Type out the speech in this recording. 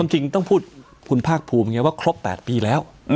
จริงต้องพูดคุณภาคภูมิว่าครบ๘ปีแล้ว